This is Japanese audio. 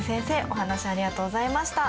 お話ありがとうございました。